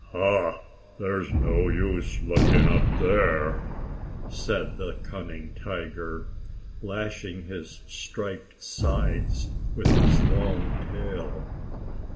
"Ha! There is no use looking up there!" said the cunning tiger, lashing his striped sides with his long tail.